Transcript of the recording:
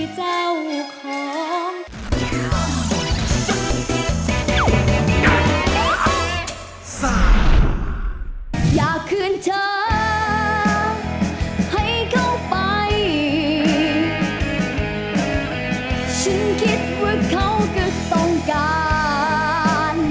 ฉันคิดว่าเขาก็ต้องการ